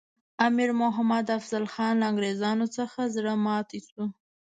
امیر محمد افضل خان له انګریزانو څخه زړه ماتي شو.